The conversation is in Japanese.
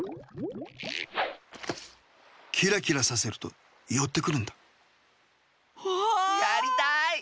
キラキラさせるとよってくるんだ。